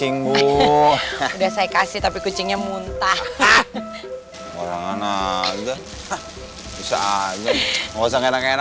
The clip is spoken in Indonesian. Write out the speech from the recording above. nih pokoknya niat saya